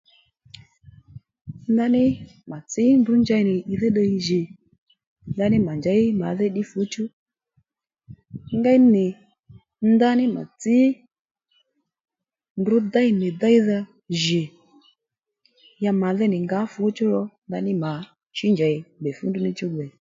Ndaní mà tsǐ ndrǔ njey nì ì dhí ddiy jì ndaní mà njěy mà dhî ddí fǔchú ngéy ní nì ndaní mà tsǐ ndrǔ déy nì déydha jì ya màdhí nì ngǎ fǔchú ro ndaní mà shǐ njèy gbe fú ndrú ní chú gbè